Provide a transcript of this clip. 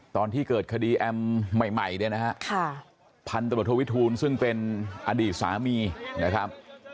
ตอนที่เกิดคดีแอมใหม่เนี่ยนะฮะพันธบทโทวิทูลซึ่งเป็นอดีตสามีนะครับ